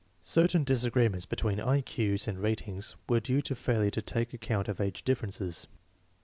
Certain disagreements between I Q's and ratings were due to failure to take account of age differences.